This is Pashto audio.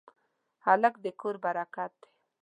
هلک د کور برکت دی.